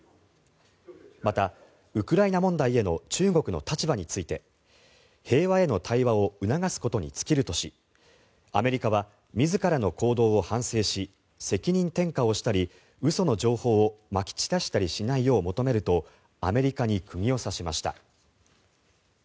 また、ウクライナ問題への中国の立場について平和への対話を促すことに尽きるとしアメリカは自らの行動を反省し責任転嫁をしたり嘘の情報をまき散らしたりしないよう求めるとアメリカに釘を刺しました。